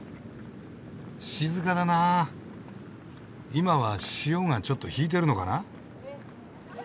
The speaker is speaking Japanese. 今は潮がちょっと引いてるのかな。